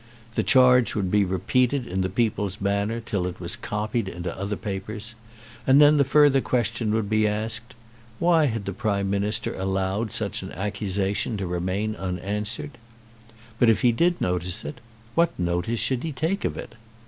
The charge would be repeated in the "People's Banner" till it was copied into other papers; and then the further question would be asked, why had the Prime Minister allowed such an accusation to remain unanswered? But if he did notice it, what notice should he take of it?